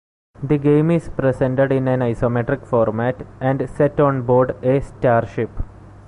The game is presented in an isometric format and set on board a starship.